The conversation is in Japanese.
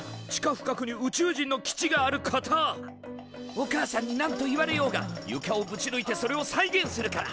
お母さんに何と言われようがゆかをぶちぬいてそれを再現するから。